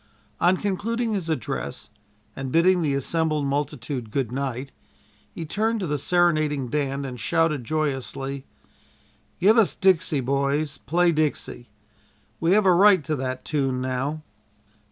On concluding his address and bidding the assembled multitude good night, he turned to the serenading band and shouted joyously: "Give us 'Dixie,' boys; play 'Dixie.' We have a right to that tune now."